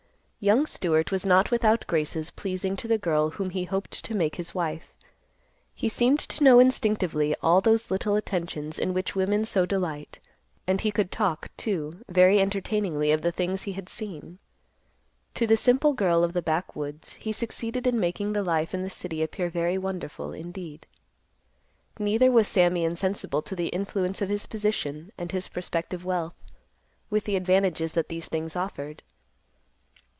Young Stewart was not without graces pleasing to the girl whom he hoped to make his wife. He seemed to know instinctively all those little attentions in which women so delight, and he could talk, too, very entertainingly of the things he had seen. To the simple girl of the backwoods, he succeeded in making the life in the city appear very wonderful, indeed. Neither was Sammy insensible to the influence of his position, and his prospective wealth, with the advantages that these things offered.